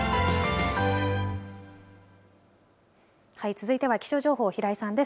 続いては気象情報、平井さんです。